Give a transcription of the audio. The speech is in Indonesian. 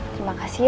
terima kasih ya